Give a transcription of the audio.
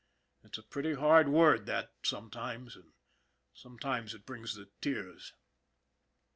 It's a pretty hard word, that, sometimes, and sometimes it brings the tears.